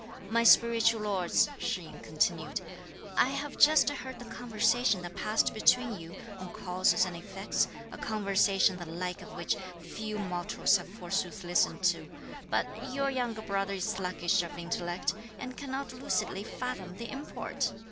"My spiritual lords," Shih yin continued; "I have just heard the conversation that passed between you, on causes and effects, a conversation the like of which few mortals have forsooth listened to; but your younger brother is sluggish of intellect, and cannot lucidly fathom the import!